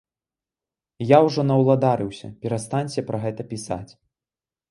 Я ўжо наўладарыўся, перастаньце пра гэта пісаць.